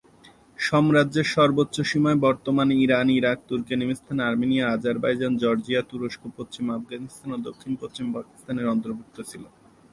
সাম্রাজ্যের সর্বোচ্চ সীমায় বর্তমান Iran, Iraq, Turkmenistan, Armenia, Azerbaijan, Georgia, তুরস্ক, পশ্চিম আফগানিস্তান ও দক্ষিণ পশ্চিম পাকিস্তান এর অন্তর্ভুক্ত ছিল।